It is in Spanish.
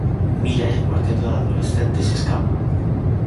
Myra y el cuarteto de adolescentes escapa.